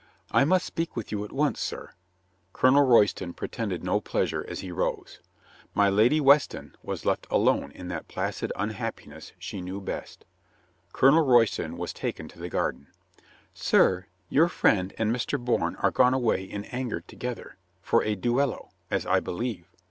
"I must speak with you at once, sir." Colonel Royston pre tended no pleasure as he rose. My Lady Weston was left alone in that placid unhappiness she knew best. Colonel Royston was taken to the garden. "Sir, your friend and Mr. Bourne are gone away in anger together, for a duello, as I believe."